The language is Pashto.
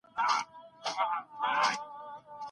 تل په مثبتو امکاناتو فکر وکړئ.